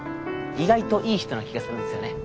意外といい人な気がするんすよね。